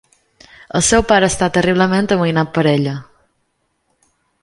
El seu pare està terriblement amoïnat per ella.